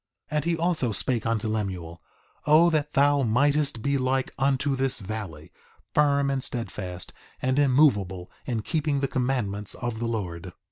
2:10 And he also spake unto Lemuel: O that thou mightest be like unto this valley, firm and steadfast, and immovable in keeping the commandments of the Lord!